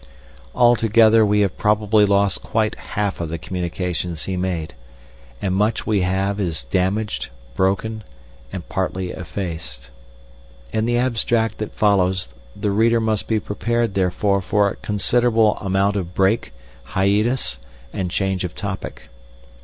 Altogether we have probably lost quite half of the communications he made, and much we have is damaged, broken, and partly effaced. In the abstract that follows the reader must be prepared therefore for a considerable amount of break, hiatus, and change of topic.